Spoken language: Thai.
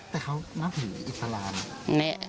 แต่เขาน่าถืออิสระนะ